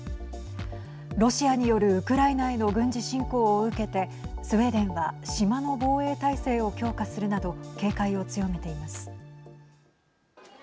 ロシアによるウクライナへの軍事侵攻を受けてスウェーデンは島の防衛体制を強化するなど警戒を強めています。